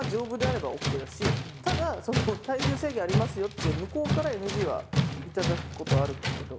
ただ体重制限ありますよって向こうからＮＧは頂くことはあるんですけど。